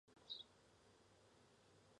与济南樱花日语学校联合招收赴日学生。